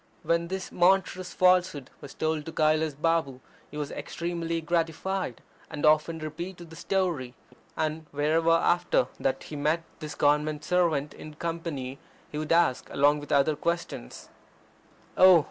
When this monstrous falsehood was told to Kailas Balm he was extremely gratified, and often repeated the story. And wherever after that he met this Government servant in company he would ask, along with other questions: "Oh!